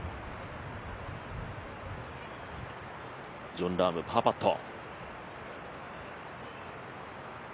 ジョン・ラームパーパット。